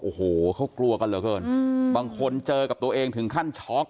โอ้โหเขากลัวกันเหลือเกินบางคนเจอกับตัวเองถึงขั้นช็อก